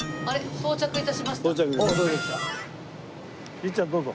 律ちゃんどうぞ。